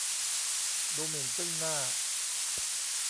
ดูหมิ่นซึ่งหน้า